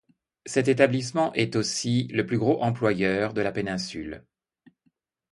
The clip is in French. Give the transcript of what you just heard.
Cet établissement est aussi le plus gros employeur de la péninsule.